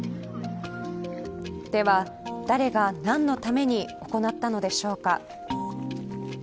では誰が何のために行ったのでしょうか。